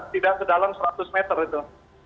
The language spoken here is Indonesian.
tidak ke dalam seratus meter itu